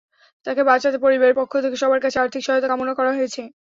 তাঁকে বাঁচাতে পরিবারের পক্ষ থেকে সবার কাছে আর্থিক সহায়তা কামনা করা হয়েছে।